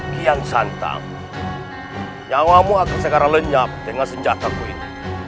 kian santang nyawamu akan sekarang lenyap dengan senjataku ini